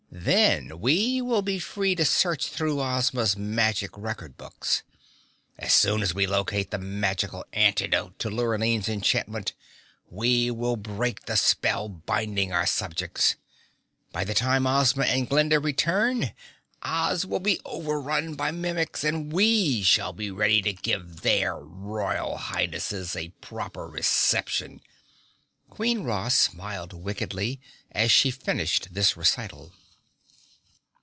Then we will be free to search through Ozma's magic record books. As soon as we locate the magical antidote to Lurline's enchantment, we will break the spell binding our subjects. By the time Ozma and Glinda return, Oz will be overrun by Mimics, and we shall be ready to give their royal highnesses a proper reception!" Queen Ra smiled wickedly as she finished this recital.